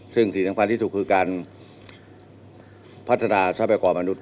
ซึ่งศีลภัณฑ์ที่ถูกคือการพัฒนาทรัพยากรมนุษย์